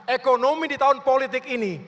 ekonomi di tahun politik ini